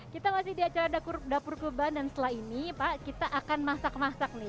kita masih di acara dapur kuban dan setelah ini pak kita akan masak masak nih